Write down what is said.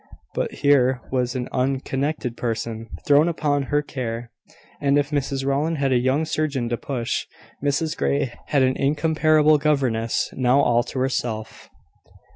But here was an unconnected person thrown upon her care: and if Mrs Rowland had a young surgeon to push, Mrs Grey had an incomparable governess, now all to herself.